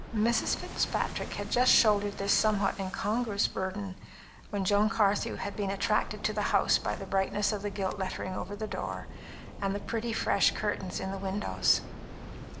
Mrs. Fitzpatrick had just shouldered this somewhat incongruous burden, when Joan Carthew had been attracted to the house by the brightness of the gilt lettering over the door, and the pretty, fresh curtains in the windows.